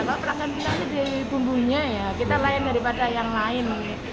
kalau perangkan pindahnya di bumbunya ya kita lain daripada yang lain